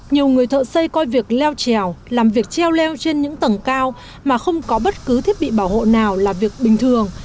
nhiều người thợ xây coi việc leo trèo làm việc treo leo trên những tầng cao mà không có bất cứ thiết bị bảo hộ nào là việc bình thường